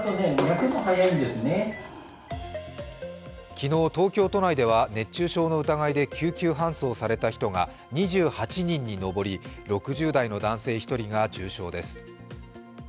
昨日、東京都内では熱中症の疑いで救急搬送された人が２８人にのぼり、６０代の男性１人が重症です。